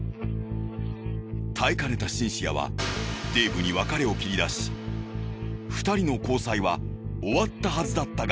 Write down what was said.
耐えかねたシンシアはデイブに別れを切り出し２人の交際は終わったはずだったが。